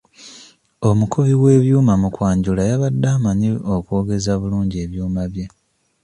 Omukubi w'ebyuma mu kwanjula yabadde amanyi okwogeza obulungi ebyuma bye.